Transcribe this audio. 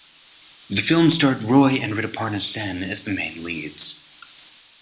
The film starred Roy and Rituparna Sen as the main leads.